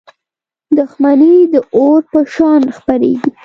• دښمني د اور په شان خپرېږي.